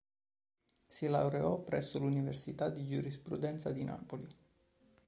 Si laureò presso l'Università di Giurisprudenza di Napoli.